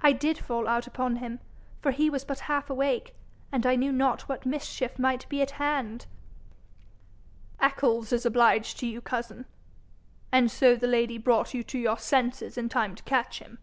'I did fall out upon him, for he was but half awake, and I knew not what mischief might be at hand.' 'Eccles is obliged to you, cousin. And so the lady brought you to your senses in time to catch him?'